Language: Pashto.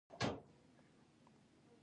دا وسایل د ټکولو او پرې کولو لپاره وو.